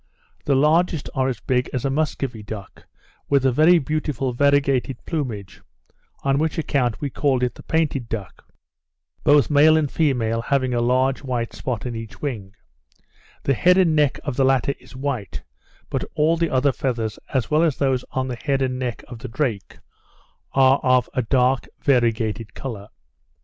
The largest are as big as a Muscovy duck, with a very beautiful variegated plumage, on which account we called it the Painted Duck; both male and female have a large white spot on each wing; the head and neck of the latter is white, but all the other feathers as well as those on the head and neck of the drake are of a dark variegated colour.